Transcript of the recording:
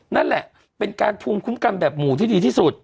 นั่นแหละเป็นการภูมิคุ้มกันแบบหมู่ที่ดีที่สุด